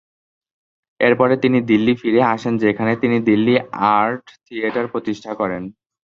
এরপরে তিনি দিল্লী ফিরে আসেন যেখানে তিনি দিল্লী আর্ট থিয়েটার প্রতিষ্ঠা করেন।